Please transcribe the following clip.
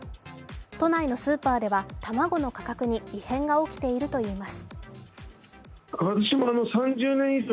都内のスーパーでは卵の価格に異変が起きているといいます。